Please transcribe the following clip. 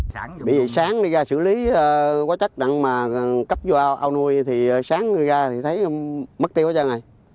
bây giờ sáng đi ra xử lý có chắc đặng mà cấp vô ao nuôi thì sáng đi ra thì thấy mất tiêu hết trơn này